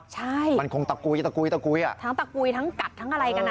ใช่มันคงตะกุยตะกุยตะกุยอ่ะทั้งตะกุยทั้งกัดทั้งอะไรกันอ่ะ